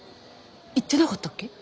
言ってなかったっけ？